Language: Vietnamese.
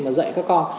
mà dạy các con